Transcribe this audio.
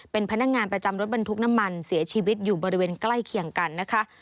เป็นพนักงานประจำรถบรรทุกน้ำมันเสียชีวิตอยู่บริเวณใกล้เคียงกันนะคะ